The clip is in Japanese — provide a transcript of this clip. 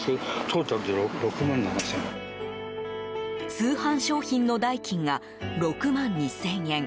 通販商品の代金が６万２０００円。